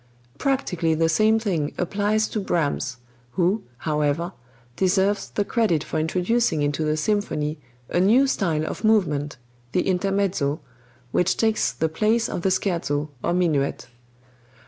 Practically the same thing applies to Brahms, who, however, deserves the credit for introducing into the symphony a new style of movement, the intermezzo, which takes the place of the scherzo or minuet.